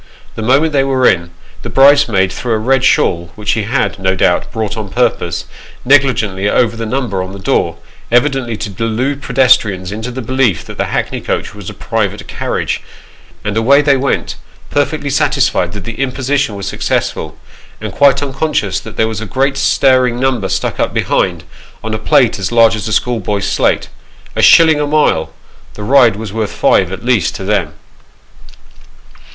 The moment they were in, the bridesmaid threw a red shawl, which she had, no doubt, brought on purpose, negligently over the number on the door, evidently to delude pedestrians into the belief that the hackney coach was a private carriage ; and away they went, perfectly satisfied that the imposition was successful, and quite unconscious that there was a great staring number stuck up behind, on a plate as large as a schoolboy's slate. A shilling a mile ! the ride was worth five, at least, to them.